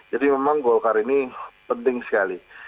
jadi memang golkar ini penting sekali